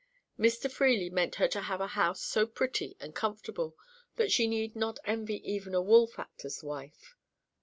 Mr. Freely meant her to have a house so pretty and comfortable that she need not envy even a wool factor's wife.